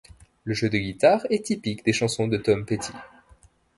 Le jeu de guitare est typique des chansons de Tom Petty.